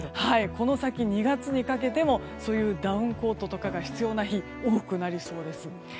この先、２月にかけてもそういうダウンコートとかが必要な日が多くなりそうです。